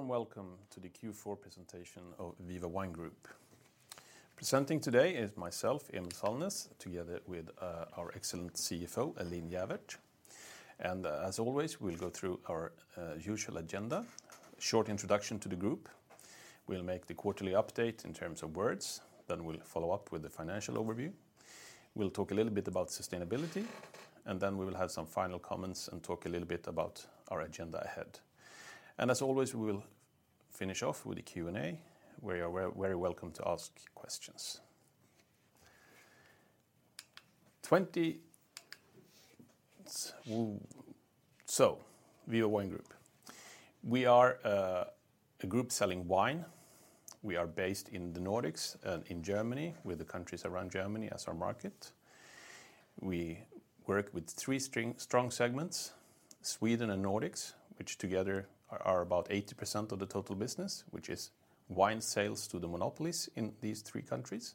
Very warm welcome to the Q4 presentation of Viva Wine Group. Presenting today is myself, Emil Sallnäs, together with our excellent CFO, Elin Jävert. As always, we'll go through our usual agenda. Short introduction to the group. We'll make the quarterly update in terms of words, then we'll follow up with the financial overview. We'll talk a little bit about sustainability, and then we will have some final comments and talk a little bit about our agenda ahead. As always, we will finish off with a Q&A, where you are very welcome to ask questions. Viva Wine Group. We are a group selling wine. We are based in the Nordics and in Germany, with the countries around Germany as our market. We work with three strong segments, Sweden and Nordics, which together are about 80% of the total business, which is wine sales to the monopolies in these three countries.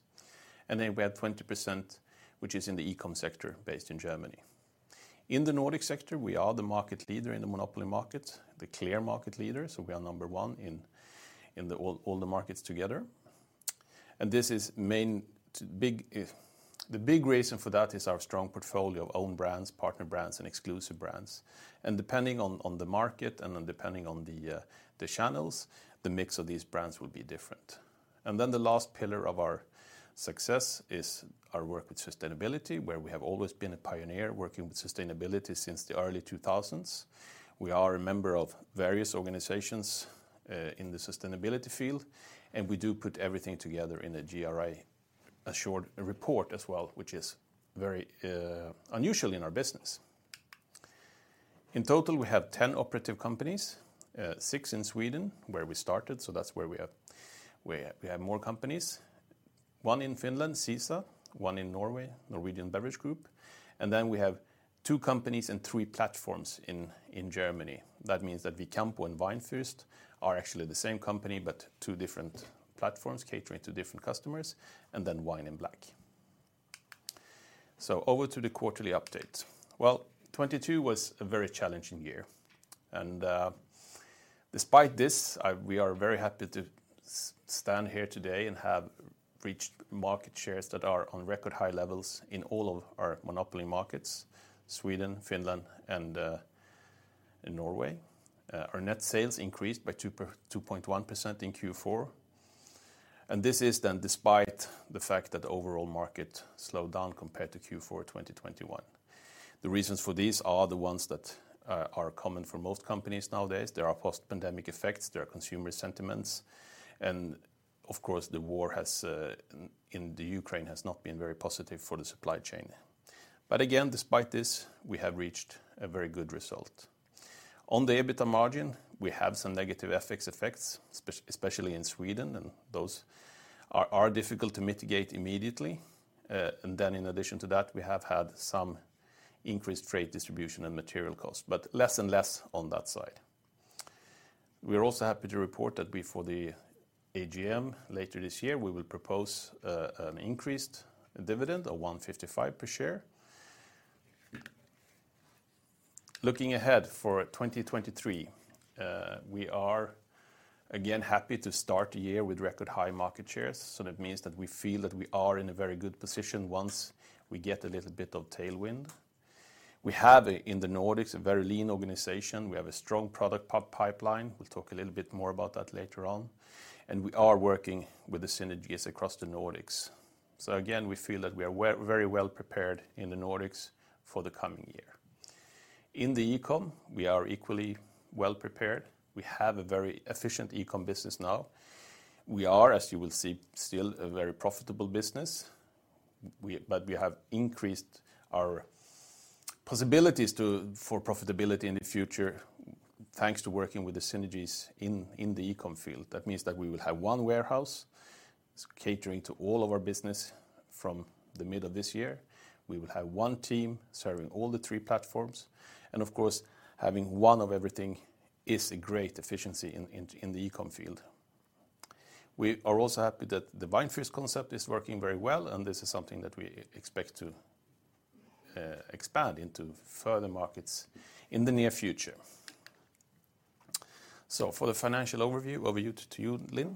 We have 20%, which is in the e-com sector based in Germany. In the Nordic sector, we are the market leader in the monopoly market, the clear market leader, so we are number one in all the markets together. The big reason for that is our strong portfolio of own brands, partner brands, and exclusive brands. Depending on the market and then depending on the channels, the mix of these brands will be different. The last pillar of our success is our work with sustainability, where we have always been a pioneer working with sustainability since the early 2000s. We are a member of various organizations in the sustainability field, and we do put everything together in a GRI, a short report as well, which is very unusual in our business. In total, we have 10 operative companies, six in Sweden, where we started, that's where we have more companies. one in Finland, Cisa, one in Norway, Norwegian Beverage Group, we have two companies and three platforms in Germany. That means that Vicampo and Weinfürst are actually the same company, but two different platforms catering to different customers, Wine in Black. Over to the quarterly update. Well, 2022 was a very challenging year. Despite this, we are very happy to stand here today and have reached market shares that are on record high levels in all of our monopoly markets: Sweden, Finland, and Norway. Our net sales increased by 2.1% in Q4. This is despite the fact that the overall market slowed down compared to Q4, 2021. The reasons for this are the ones that are common for most companies nowadays. There are post-pandemic effects, there are consumer sentiments, and of course, the war in the Ukraine has not been very positive for the supply chain. Again, despite this, we have reached a very good result. On the EBITDA margin, we have some negative FX effects, especially in Sweden, and those are difficult to mitigate immediately. In addition to that, we have had some increased freight distribution and material costs, but less and less on that side. We are also happy to report that before the AGM later this year, we will propose an increased dividend of 1.55 per share. Looking ahead for 2023, we are again happy to start the year with record high market shares, so that means that we feel that we are in a very good position once we get a little bit of tailwind. We have in the Nordics a very lean organization. We have a strong product pipeline. We'll talk a little bit more about that later on. We are working with the synergies across the Nordics. Again, we feel that we are very well prepared in the Nordics for the coming year. In the e-com, we are equally well prepared. We have a very efficient e-com business now. We are, as you will see, still a very profitable business. We have increased our possibilities for profitability in the future, thanks to working with the synergies in the e-com field. That means that we will have one warehouse catering to all of our business from the middle of this year. We will have one team serving all the three platforms. Of course, having one of everything is a great efficiency in the e-com field. We are also happy that the Weinfürst concept is working very well, and this is something that we expect to expand into further markets in the near future. For the financial overview, to you, Elin.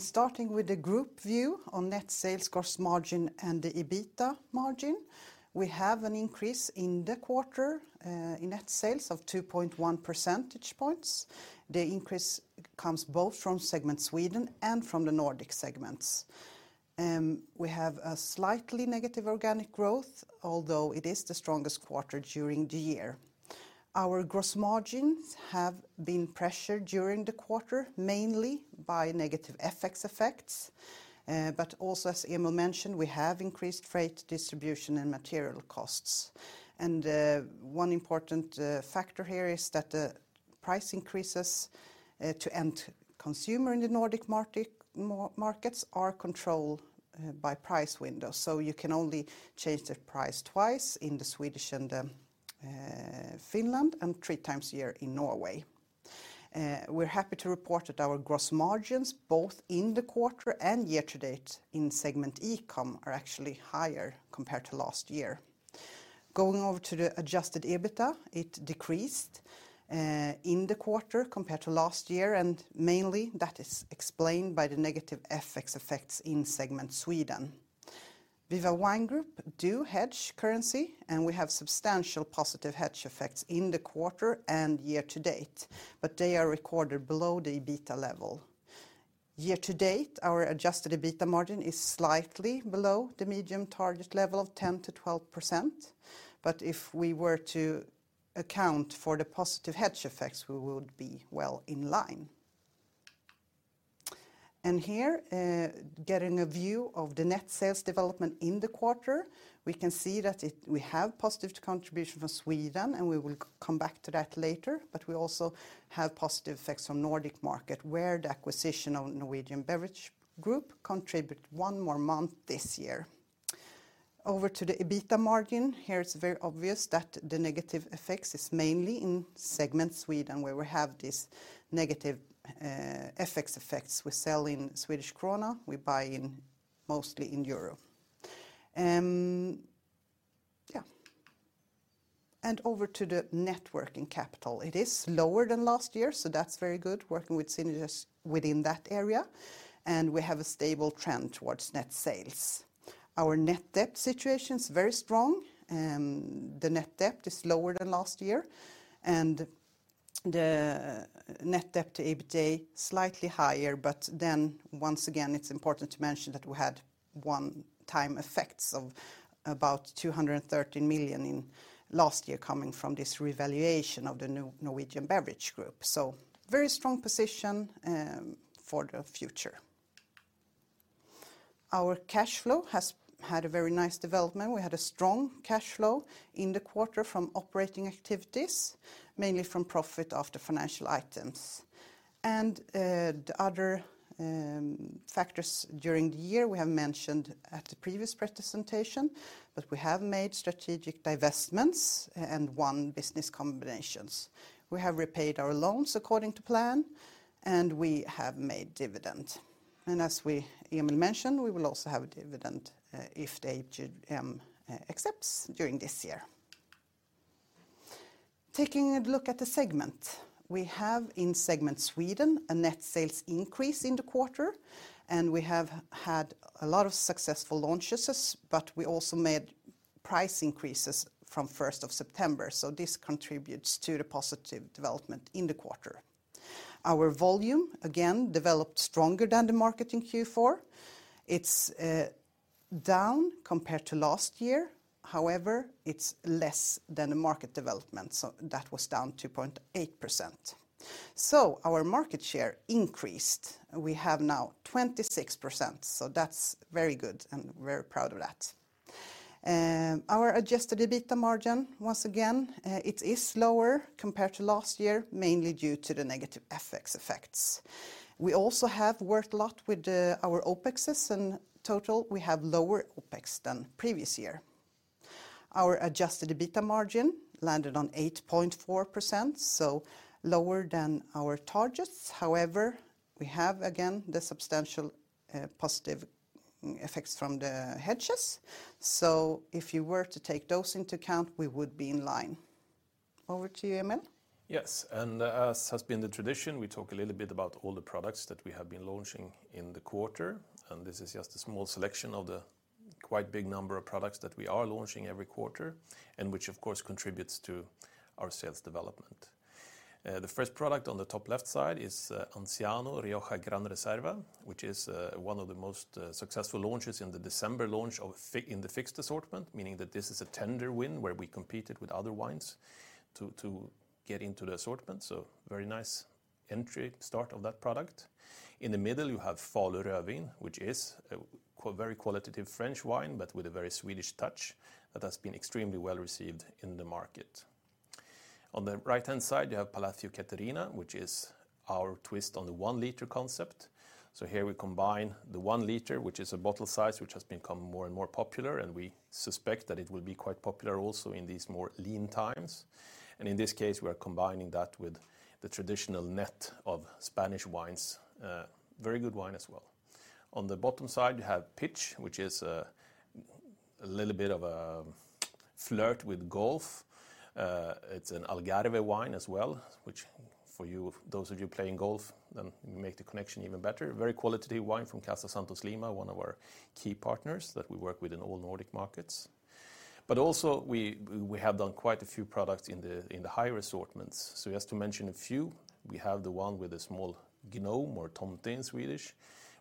Starting with the group view on net sales, gross margin, and the EBITDA margin, we have an increase in the quarter in net sales of 2.1 percentage points. The increase comes both from segment Sweden and from the Nordic segments. We have a slightly negative organic growth, although it is the strongest quarter during the year. Our gross margins have been pressured during the quarter, mainly by negative FX effects, but also, as Emil mentioned, we have increased freight distribution and material costs. One important factor here is that the price increases to end consumer in the Nordic markets are controlled by price windows, so you can only change the price twice in the Swedish and Finland, and three times a year in Norway. We're happy to report that our gross margins, both in the quarter and year-to-date in segment E-com, are actually higher compared to last year. Going over to the Adjusted EBITDA, it decreased in the quarter compared to last year, mainly that is explained by the negative FX effects in segment Sweden. Viva Wine Group do hedge currency, we have substantial positive hedge effects in the quarter and year-to-date, they are recorded below the EBITDA level. Year-to-date, our Adjusted EBITDA margin is slightly below the medium target level of 10%-12%, if we were to account for the positive hedge effects, we would be well in line. Here, getting a view of the net sales development in the quarter, we can see that we have positive contribution from Sweden, we will come back to that later. We also have positive effects from Nordic market, where the acquisition of Norwegian Beverage Group contribute one more month this year. Over to the EBITDA margin. Here it's very obvious that the negative effects is mainly in segment Sweden, where we have this negative FX effects. We sell in Swedish krona, we buy in mostly in euro. Over to the net working capital. It is lower than last year, so that's very good, working with synergies within that area, and we have a stable trend towards net sales. Our net debt situation is very strong. The net debt is lower than last year, and the net debt to EBITDA slightly higher. Once again, it's important to mention that we had one-time effects of about 213 million in last year coming from this revaluation of the Norwegian Beverage Group. Very strong position for the future. Our cash flow has had a very nice development. We had a strong cash flow in the quarter from operating activities, mainly from profit after financial items. The other factors during the year we have mentioned at the previous presentation, but we have made strategic divestments and one business combinations. We have repaid our loans according to plan, and we have made dividend. As Emil mentioned, we will also have a dividend if the AGM accepts during this year. Taking a look at the segment. We have in segment Sweden a net sales increase in the quarter, and we have had a lot of successful launches, but we also made price increases from first of September, this contributes to the positive development in the quarter. Our volume, again, developed stronger than the market in Q4. It's down compared to last year. However, it's less than the market development, so that was down 2.8%. Our market share increased. We have now 26%, so that's very good, and we're very proud of that. Our Adjusted EBITDA margin, once again, it is lower compared to last year, mainly due to the negative FX effects. We also have worked a lot with our OPEXs, in total, we have lower OPEX than previous year. Our Adjusted EBITDA margin landed on 8.4%, so lower than our targets. However, we have again the substantial positive effects from the hedges. If you were to take those into account, we would be in line. Over to you, Emil. Yes. As has been the tradition, we talk a little bit about all the products that we have been launching in the quarter, and this is just a small selection of the quite big number of products that we are launching every quarter, and which of course contributes to our sales development. The first product on the top left side is Anciano Rioja Gran Reserva, which is one of the most successful launches in the December launch in the fixed assortment, meaning that this is a tender win where we competed with other wines to get into the assortment. Very nice entry start of that product. In the middle, you have Falu Rödvin, which is a very qualitative French wine, but with a very Swedish touch that has been extremely well-received in the market. On the right-hand side, you have Palacio Caterina, which is our twist on the one liter concept. Here we combine the 1 liter, which is a bottle size which has become more and more popular, and we suspect that it will be quite popular also in these more lean times. In this case, we are combining that with the traditional net of Spanish wines. Very good wine as well. On the bottom side, you have Pitch, which is a little bit of a flirt with golf. It's an Algarve wine as well, which for you, those of you playing golf, then make the connection even better. Very qualitative wine from Casa Santos Lima, one of our key partners that we work with in all Nordic markets. We have done quite a few products in the, in the high assortments. Just to mention a few, we have the one with a small gnome or tomte in Swedish,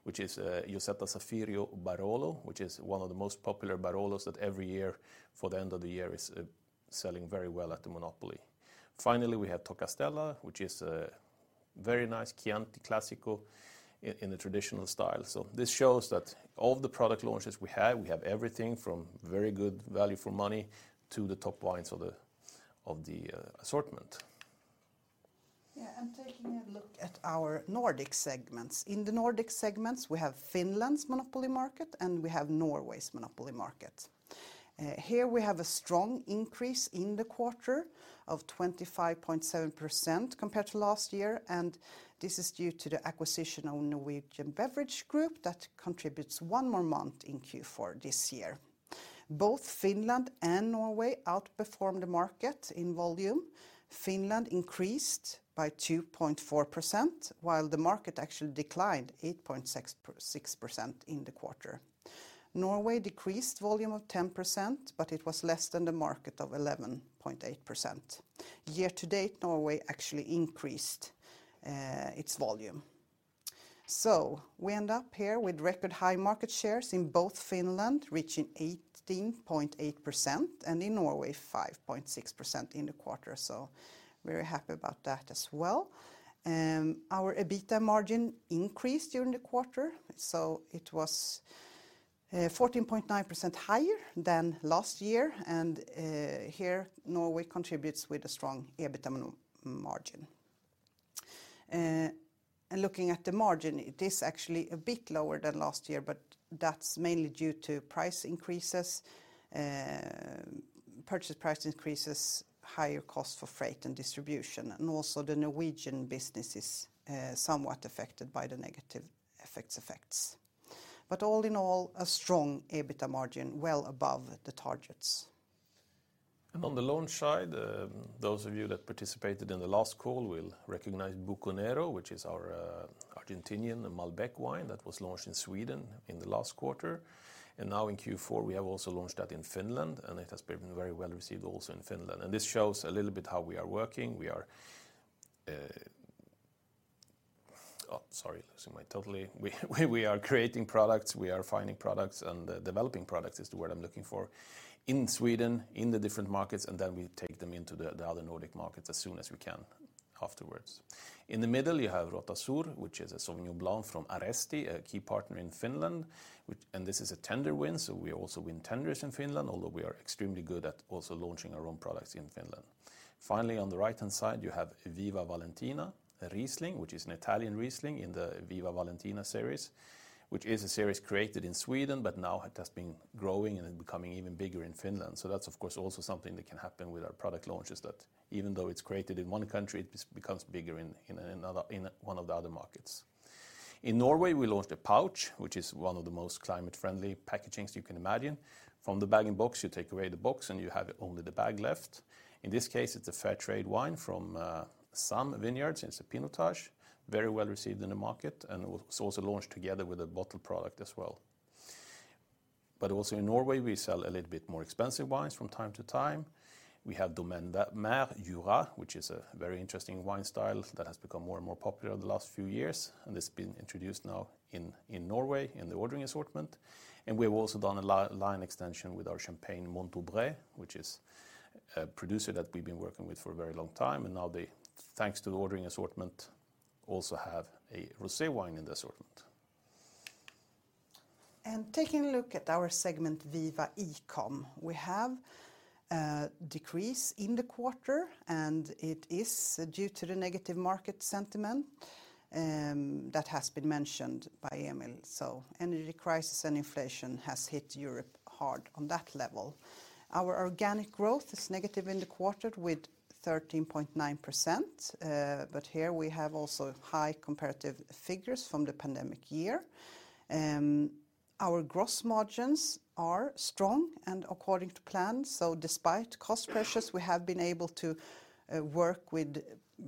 which is Josetta Saffirio Barolo, which is one of the most popular Barolos that every year for the end of the year is selling very well at the monopoly. Finally, we have Tocastella, which is a very nice Chianti Classico in the traditional style. This shows that of the product launches we have, we have everything from very good value for money to the top wines of the assortment. Taking a look at our Nordic segments. In the Nordic segments, we have Finland's monopoly market and we have Norway's monopoly market. Here we have a strong increase in the quarter of 25.7% compared to last year, and this is due to the acquisition of Norwegian Beverage Group that contributes one more month in Q4 this year. Both Finland and Norway outperformed the market in volume. Finland increased by 2.4%, while the market actually declined 8.6% in the quarter. Norway decreased volume of 10%, but it was less than the market of 11.8%. Year to date, Norway actually increased its volume. We end up here with record high market shares in both Finland, reaching 18.8%, and in Norway, 5.6% in the quarter. Very happy about that as well. Our EBITDA margin increased during the quarter, so it was 14.9% higher than last year. Here Norway contributes with a strong EBITDA margin. Looking at the margin, it is actually a bit lower than last year, but that's mainly due to price increases, purchase price increases, higher costs for freight and distribution. Also the Norwegian business is somewhat affected by the negative effects. All in all, a strong EBITDA margin, well above the targets. On the launch side, those of you that participated in the last call will recognize Buconero, which is our Argentinian Malbec wine that was launched in Sweden in the last quarter. Now in Q4, we have also launched that in Finland, and it has been very well received also in Finland. This shows a little bit how we are working. We are creating products, we are finding products, and developing products is the word I'm looking for, in Sweden, in the different markets, and then we take them into the other Nordic markets as soon as we can afterwards. In the middle, you have Rota Sur, which is a Sauvignon Blanc from Aresti, a key partner in Finland, this is a tender win, we also win tenders in Finland, although we are extremely good at also launching our own products in Finland. Finally, on the right-hand side, you have Viva Valentina Riesling, which is an Italian Riesling in the Viva Valentina series, which is a series created in Sweden, now it has been growing and becoming even bigger in Finland. That's, of course, also something that can happen with our product launches that even though it's created in one country, it becomes bigger in another, in one of the other markets. In Norway, we launched a pouch, which is one of the most climate-friendly packagings you can imagine. From the bag and box, you take away the box, and you have only the bag left. In this case, it's a fair trade wine from some vineyards. It's a Pinotage. Very well-received in the market, and it was also launched together with a bottle product as well. Also in Norway, we sell a little bit more expensive wines from time to time. We have Domaine des Mères Jura, which is a very interesting wine style that has become more and more popular the last few years. It's been introduced now in Norway in the ordering assortment. We have also done a line extension with our champagne Montaubrais, which is a producer that we've been working with for a very long time. Now they, thanks to the ordering assortment, also have a rosé wine in the assortment. Taking a look at our segment, Viva E-com, we have a decrease in the quarter, and it is due to the negative market sentiment that has been mentioned by Emil. Energy crisis and inflation has hit Europe hard on that level. Our organic growth is negative in the quarter with 13.9%, but here we have also high comparative figures from the pandemic year. Our gross margins are strong and according to plan. Despite cost pressures, we have been able to work with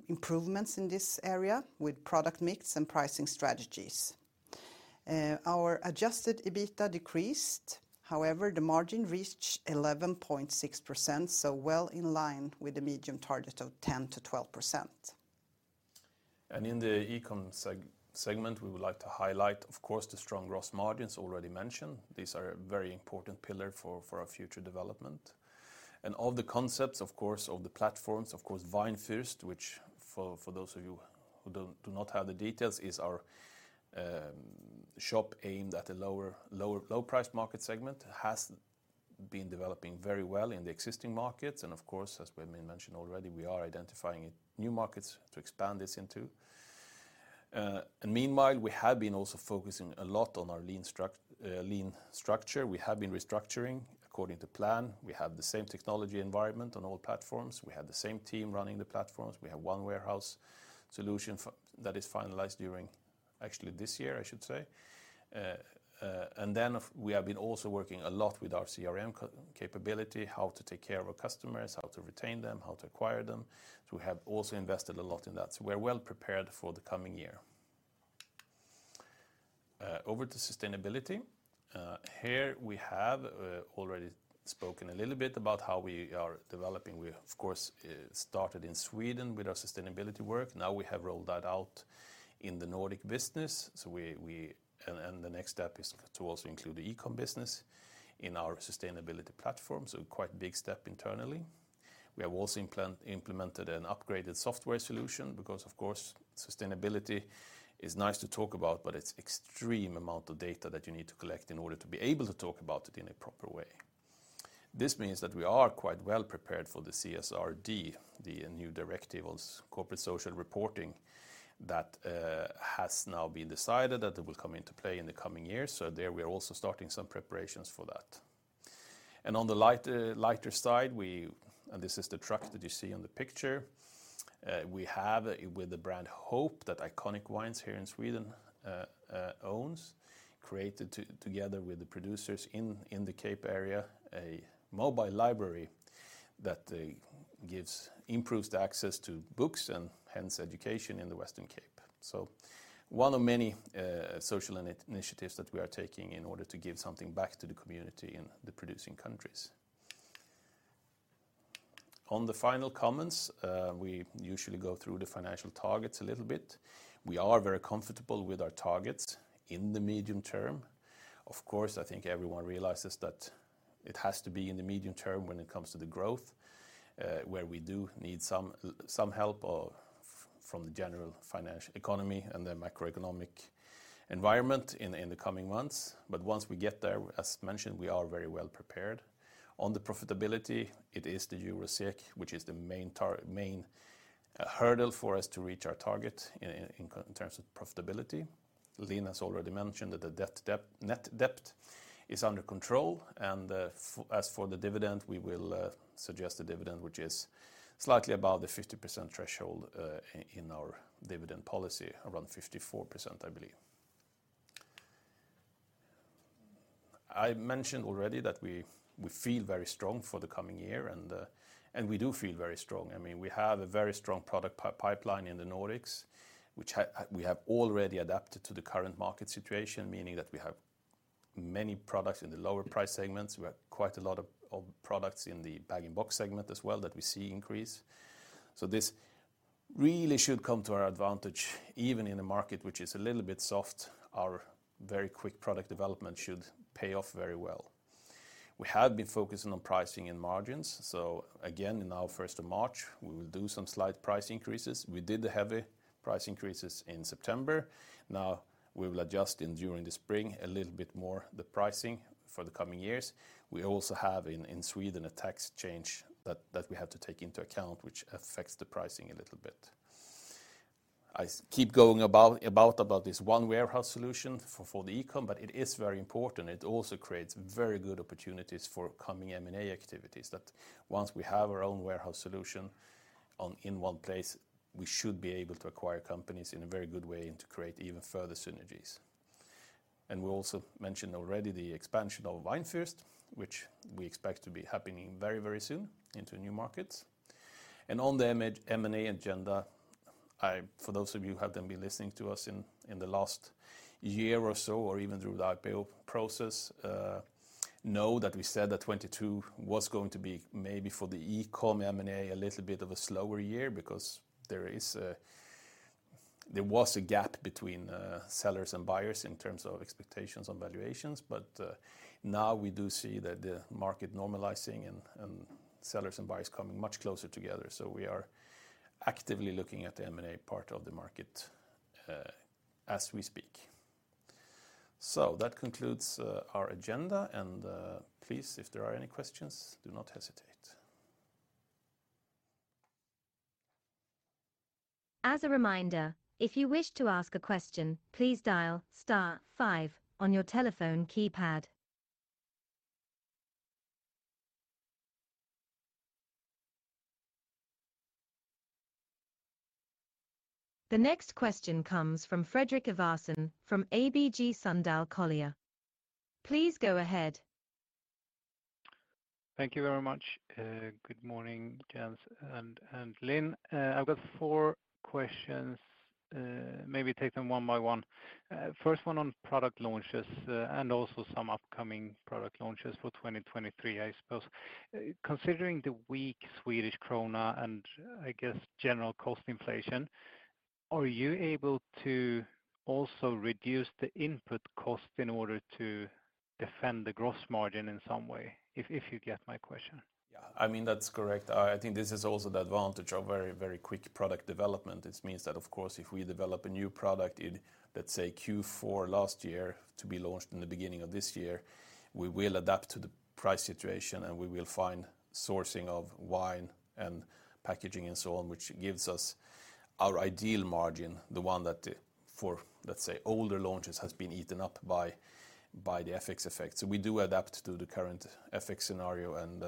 improvements in this area with product mix and pricing strategies. Our Adjusted EBITDA decreased. However, the margin reached 11.6%, so well in line with the medium target of 10%-12%. In the E-com segment, we would like to highlight, of course, the strong gross margins already mentioned. These are a very important pillar for our future development. Of the concepts, of course, of the platforms, of course, Weinfürst, which for those of you who do not have the details, is our shop aimed at a low-priced market segment, has been developing very well in the existing markets. Meanwhile, we have been also focusing a lot on our lean structure. We have been restructuring according to plan. We have the same technology environment on all platforms. We have the same team running the platforms. We have one warehouse solution that is finalized during, actually this year, I should say. We have been also working a lot with our CRM capability, how to take care of our customers, how to retain them, how to acquire them. We have also invested a lot in that. We're well prepared for the coming year. Over to sustainability. Here we have already spoken a little bit about how we are developing. We, of course, started in Sweden with our sustainability work. Now we have rolled that out in the Nordic business. The next step is to also include the E-com business in our sustainability platform. Quite big step internally. We have also implemented an upgraded software solution because of course, sustainability is nice to talk about, but it's extreme amount of data that you need to collect in order to be able to talk about it in a proper way. This means that we are quite well prepared for the CSRD, the new directive on corporate social reporting that has now been decided that it will come into play in the coming years. There we are also starting some preparations for that. On the light, lighter side, we and this is the truck that you see on the picture. We have with the brand Hope that Iconic Wines here in Sweden, owns, created together with the producers in the Cape area, a mobile library that improves the access to books and hence education in the Western Cape. One of many social initiatives that we are taking in order to give something back to the community in the producing countries. On the final comments, we usually go through the financial targets a little bit. We are very comfortable with our targets in the medium term. Of course, I think everyone realizes that it has to be in the medium term when it comes to the growth, where we do need some help from the general financial economy and the macroeconomic environment in the coming months. Once we get there, as mentioned, we are very well prepared. On the profitability, it is the EUR/SEK, which is the main hurdle for us to reach our target in terms of profitability. Linn has already mentioned that the net debt is under control. As for the dividend, we will suggest a dividend which is slightly above the 50% threshold in our dividend policy, around 54%, I believe. I mentioned already that we feel very strong for the coming year. We do feel very strong. I mean, we have a very strong product pipeline in the Nordics, which we have already adapted to the current market situation, meaning that we have many products in the lower price segments. We have quite a lot of products in the bag-in-box segment as well that we see increase. This really should come to our advantage, even in a market which is a little bit soft. Our very quick product development should pay off very well. We have been focusing on pricing and margins. Again, in our 1st of March, we will do some slight price increases. We did the heavy price increases in September. Now we will adjust during the spring a little bit more the pricing for the coming years. We also have in Sweden a tax change that we have to take into account, which affects the pricing a little bit. I keep going about this one warehouse solution for the e-com. It is very important. It also creates very good opportunities for coming M&A activities that once we have our own warehouse solution in one place, we should be able to acquire companies in a very good way and to create even further synergies. We also mentioned already the expansion of Weinfürst, which we expect to be happening very, very soon into new markets. On the M&A agenda, for those of you who have been listening to us in the last year or so or even through the IPO process, know that we said that 2022 was going to be maybe for the e-com M&A a little bit of a slower year because there is, there was a gap between sellers and buyers in terms of expectations on valuations. Now we do see that the market normalizing and sellers and buyers coming much closer together. We are actively looking at the M&A part of the market as we speak. That concludes our agenda. Please, if there are any questions, do not hesitate. As a reminder, if you wish to ask a question, please dial star five on your telephone keypad. The next question comes from Fredrik Ivarsson from ABG Sundal Collier. Please go ahead. Thank you very much. Good morning, Jens and Elin. I've got four questions. Maybe take them one by one. First one on product launches, and also some upcoming product launches for 2023, I suppose. Considering the weak Swedish krona and I guess general cost inflation, are you able to also reduce the input cost in order to defend the gross margin in some way, if you get my question? Yeah. I mean, that's correct. I think this is also the advantage of very, very quick product development. It means that of course, if we develop a new product in, let's say Q4 last year to be launched in the beginning of this year, we will adapt to the price situation and we will find sourcing of wine and packaging and so on, which gives us our ideal margin, the one that for, let's say, older launches has been eaten up by the FX effect. We do adapt to the current FX scenario and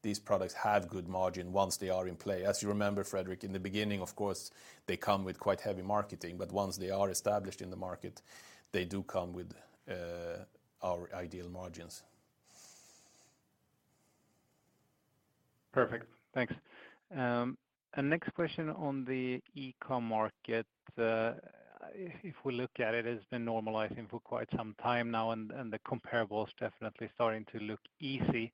these products have good margin once they are in play. As you remember, Fredrik, in the beginning of course, they come with quite heavy marketing, once they are established in the market, they do come with our ideal margins. Perfect. Thanks. Next question on the e-com market. If we look at it's been normalizing for quite some time now and the comparable is definitely starting to look easy.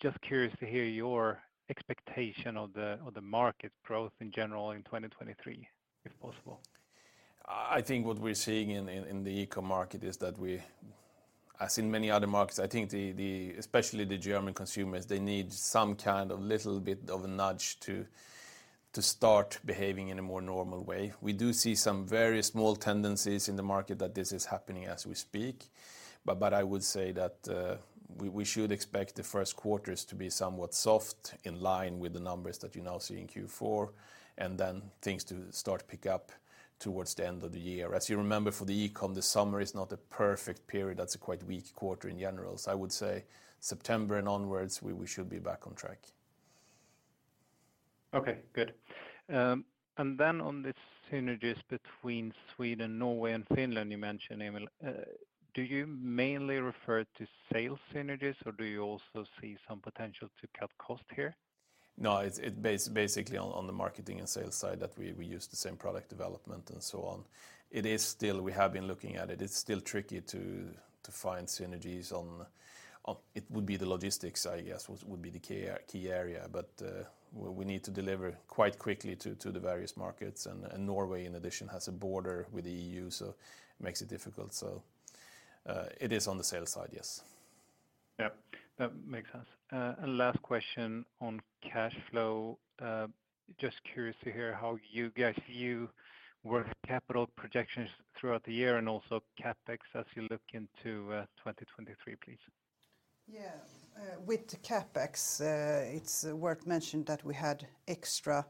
Just curious to hear your expectation of the market growth in general in 2023, if possible. I think what we're seeing in the e-com market is that we as in many other markets, I think the especially the German consumers, they need some kind of little bit of a nudge to start behaving in a more normal way. We do see some very small tendencies in the market that this is happening as we speak. I would say that we should expect the first quarters to be somewhat soft in line with the numbers that you now see in Q4, and then things to start pick up towards the end of the year. As you remember, for the e-com, the summer is not a perfect period. That's a quite weak quarter in general. I would say September and onwards, we should be back on track. Okay, good. On the synergies between Sweden, Norway, and Finland, you mentioned, Emil, do you mainly refer to sales synergies, or do you also see some potential to cut costs here? No. It's basically on the marketing and sales side that we use the same product development and so on. It is still. We have been looking at it. It's still tricky to find synergies on. It would be the logistics, I guess, would be the key area. We need to deliver quite quickly to the various markets. Norway in addition has a border with the EU, so it makes it difficult. It is on the sales side, yes. Yeah. That makes sense. Last question on cash flow. Just curious to hear how you guys view work capital projections throughout the year and also CapEx as you look into, 2023, please. With the CapEx, it's worth mentioning that we had extra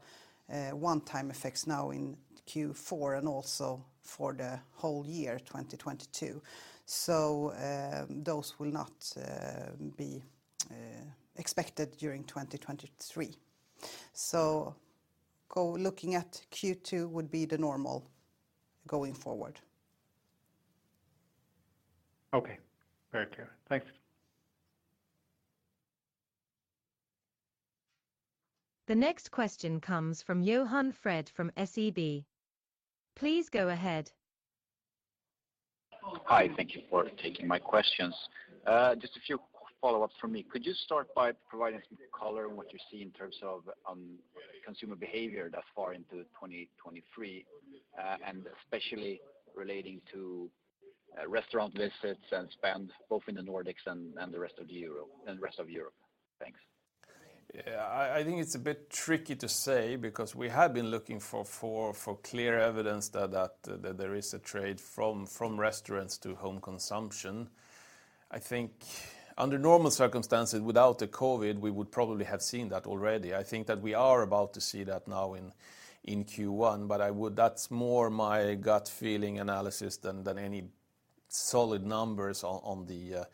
one-time effects now in Q4 and also for the whole year 2022. Those will not be expected during 2023. Looking at Q2 would be the normal going forward. Okay. Very clear. Thanks. The next question comes from Johan Dahl from SEB. Please go ahead. Hi. Thank you for taking my questions. Just a few follow-ups from me. Could you start by providing some color on what you see in terms of consumer behavior thus far into 2023, and especially relating to restaurant visits and spend both in the Nordics and the rest of Europe? Thanks. Yeah. I think it's a bit tricky to say because we have been looking for clear evidence that there is a trade from restaurants to home consumption. I think under normal circumstances, without the COVID, we would probably have seen that already. I think that we are about to see that now in Q1, but I would. That's more my gut feeling analysis than any solid numbers on the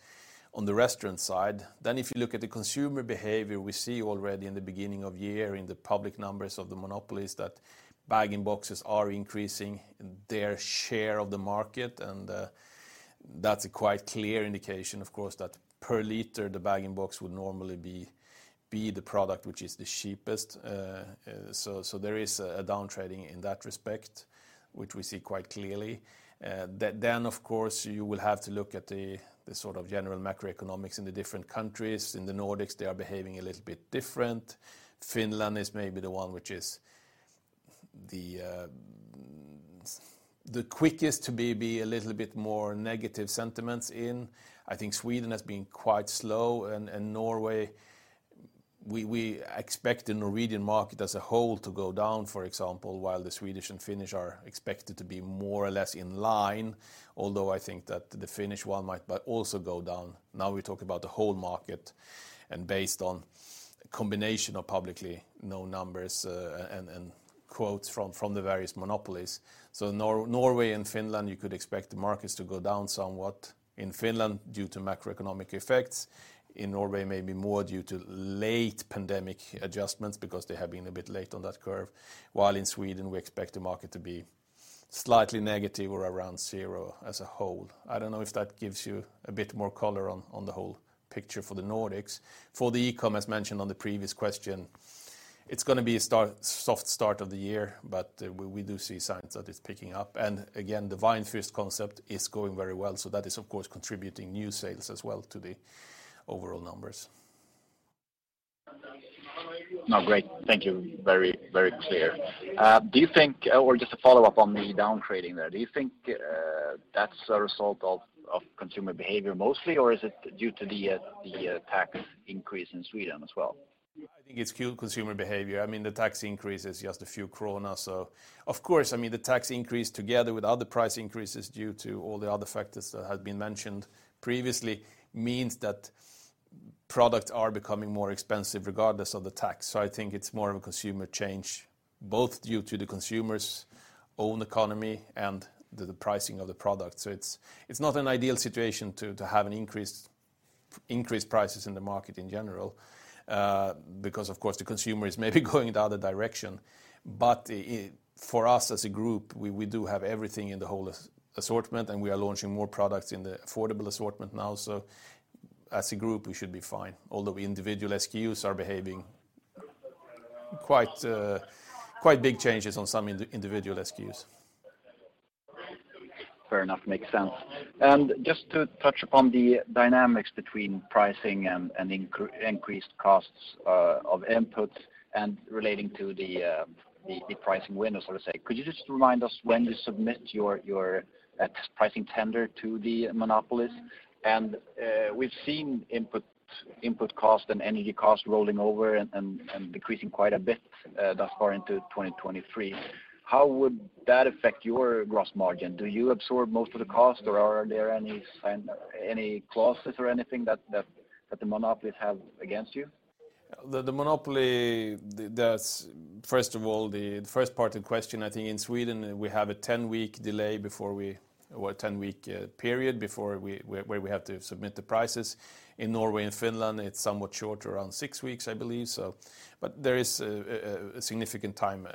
restaurant side. If you look at the consumer behavior, we see already in the beginning of year in the public numbers of the monopolies that bag and boxes are increasing their share of the market. That's a quite clear indication, of course, that per liter, the bag and box would normally be the product which is the cheapest. There is a downtrading in that respect, which we see quite clearly. Then of course, you will have to look at the sort of general macroeconomics in the different countries. In the Nordics, they are behaving a little bit different. Finland is maybe the one which is the quickest to be a little bit more negative sentiments in. I think Sweden has been quite slow. Norway, we expect the Norwegian market as a whole to go down, for example, while the Swedish and Finnish are expected to be more or less in line, although I think that the Finnish one might also go down. We talk about the whole market and based on combination of publicly known numbers and quotes from the various monopolies. Norway and Finland, you could expect the markets to go down somewhat. In Finland, due to macroeconomic effects. In Norway, maybe more due to late pandemic adjustments because they have been a bit late on that curve. While in Sweden, we expect the market to be slightly negative or around zero as a whole. I don't know if that gives you a bit more color on the whole picture for the Nordics. For the e-com, as mentioned on the previous question, it's gonna be a soft start of the year, but we do see signs that it's picking up. Again, the Weinfürst concept is going very well. That is of course contributing new sales as well to the overall numbers. No, great. Thank you. Very, very clear. Do you think that's a result of consumer behavior mostly, or is it due to the tax increase in Sweden as well? I think it's consumer behavior. I mean, the tax increase is just a few krona. Of course, I mean, the tax increase together with other price increases due to all the other factors that have been mentioned previously means that products are becoming more expensive regardless of the tax. I think it's more of a consumer change, both due to the consumer's own economy and the pricing of the product. It's not an ideal situation to have increased prices in the market in general, because of course, the consumer is maybe going the other direction. For us as a group, we do have everything in the whole assortment, and we are launching more products in the affordable assortment now. As a group, we should be fine, although individual SKUs are behaving quite big changes on some individual SKUs. Fair enough. Makes sense. Just to touch upon the dynamics between pricing and increased costs of inputs and relating to the pricing window, so to say, could you just remind us when you submit your pricing tender to the monopolies? We've seen input costs and energy costs rolling over and decreasing quite a bit thus far into 2023. How would that affect your gross margin? Do you absorb most of the cost, or are there any clauses or anything that the monopolies have against you? The monopoly, thus, first of all, the first part of the question, I think in Sweden, we have a 10-week delay before a 10-week period where we have to submit the prices. In Norway and Finland, it's somewhat shorter, around six weeks, I believe so. There is a significant time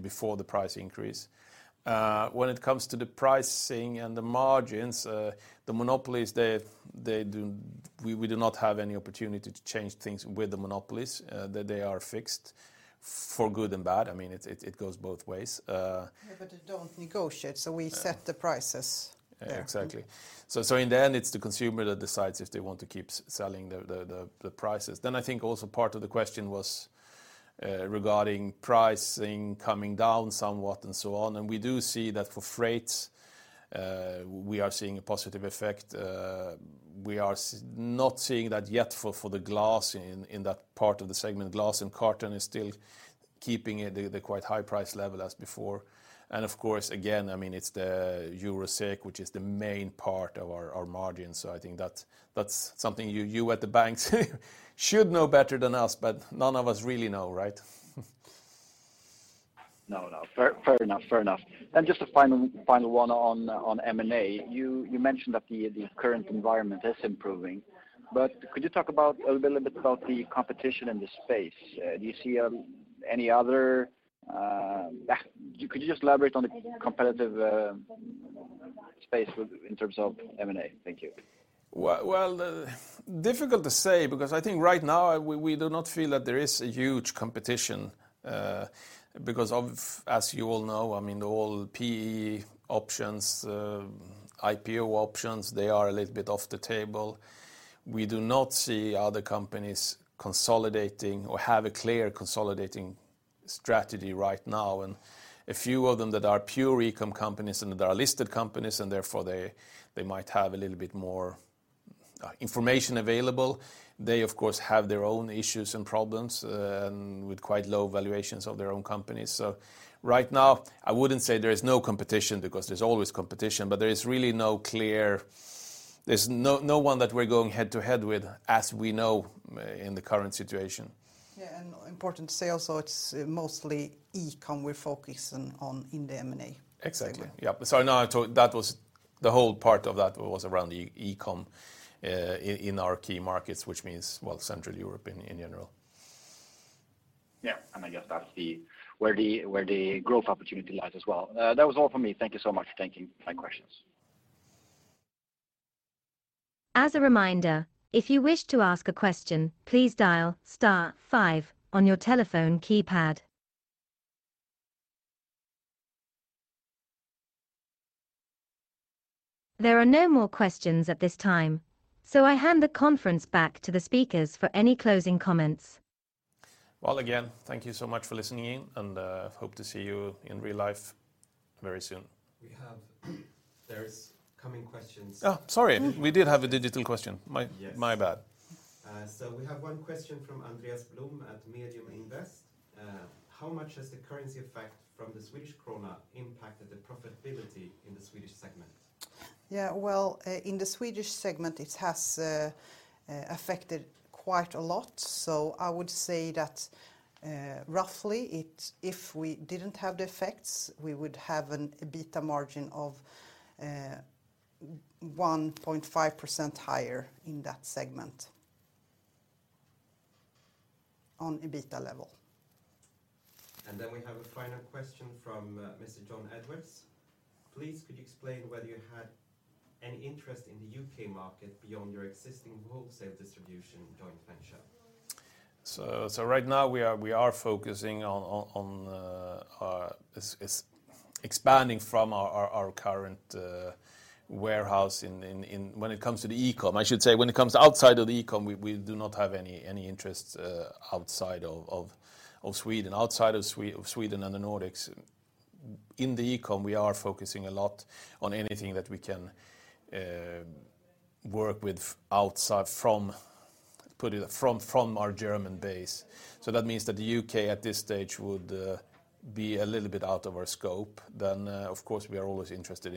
before the price increase. When it comes to the pricing and the margins, the monopolies, they do, we would not have any opportunity to change things with the monopolies, that they are fixed for good and bad. I mean, it goes both ways. Yeah, they don't negotiate, so we set the prices. Exactly. In the end, it's the consumer that decides if they want to keep selling the prices. I think also part of the question was regarding pricing coming down somewhat and so on. We do see that for freight, we are seeing a positive effect. We are not seeing that yet for the glass in that part of the segment. Glass and carton is still keeping at the quite high price level as before. Of course, again, I mean, it's the EUR/SEK, which is the main part of our margins. I think that's something you at the banks should know better than us, but none of us really know, right? No, no. Fair enough. Fair enough. Just a final one on M&A. You mentioned that the current environment is improving. Could you talk a little bit about the competition in this space? Do you see any other? Could you just elaborate on the competitive space in terms of M&A? Thank you. Difficult to say because I think right now we do not feel that there is a huge competition, because of, as you all know, I mean, all PE options, IPO options, they are a little bit off the table. We do not see other companies consolidating or have a clear consolidating strategy right now. A few of them that are pure e-com companies and that are listed companies, and therefore they might have a little bit more information available. They, of course, have their own issues and problems with quite low valuations of their own companies. Right now, I wouldn't say there is no competition because there's always competition, but there is really no clear... There's no one that we're going head to head with as we know in the current situation. Yeah. Important to say also, it's mostly e-com we're focusing on in the M&A. Exactly. Yeah. Now that was the whole part of that was around the e-com, in our key markets, which means, well, Central Europe in general. Yeah. I guess that's where the growth opportunity lies as well. That was all for me. Thank you so much. Thank you. My questions. As a reminder, if you wish to ask a question, please dial star five on your telephone keypad. There are no more questions at this time, I hand the conference back to the speakers for any closing comments. Well, again, thank you so much for listening in, and hope to see you in real life very soon. There's coming questions. Oh, sorry. We did have a digital question. Yes. My bad. We have one question from Andreas Lundberg at SEB. How much has the currency effect from the Swedish krona impacted the profitability in the Swedish segment? Yeah. Well, in the Swedish segment, it has affected quite a lot. I would say that roughly if we didn't have the effects, we would have an EBITDA margin of 1.5% higher in that segment on EBITDA level. We have a final question from Mr. John Edwards. Please, could you explain whether you had any interest in the U.K. market beyond your existing wholesale distribution joint venture? Right now, we are focusing on expanding from our current warehouse in. When it comes to the e-com. I should say, when it comes outside of the e-com, we do not have any interest outside of Sweden. Outside of Sweden and the Nordics, in the e-com, we are focusing a lot on anything that we can work with outside from, put it, from our German base. That means that the UK at this stage would be a little bit out of our scope. Of course, we are always interested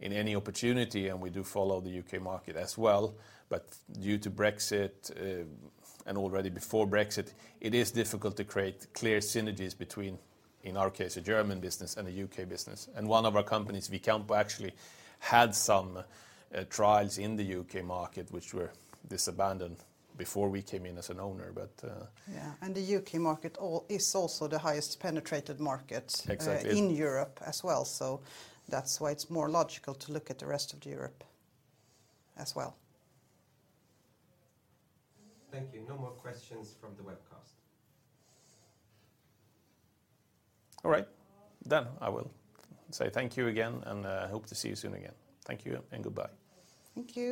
in any opportunity, and we do follow the UK market as well. Due to Brexit, and already before Brexit, it is difficult to create clear synergies between, in our case, a German business and a UK business. One of our companies, Vicampo, actually had some trials in the U.K. market, which were disabandoned before we came in as an owner. Yeah. The UK market is also the highest penetrated market. Exactly ...in Europe as well. That's why it's more logical to look at the rest of Europe as well. Thank you. No more questions from the webcast. All right. I will say thank you again, and hope to see you soon again. Thank you and goodbye. Thank you.